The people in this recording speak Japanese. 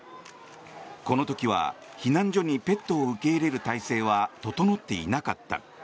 この時は、避難所にペットを受け入れる体制は整っていなかった。